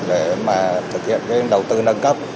để mà thực hiện cái đầu tư nâng cấp